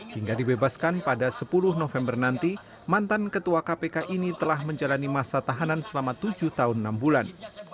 hingga dibebaskan pada sepuluh november nanti mantan ketua kpk ini telah menjalani masa tahanan selama tujuh tahun enam bulan